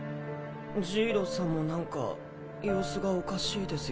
ジイロさんもなんか様子がおかしいですよ。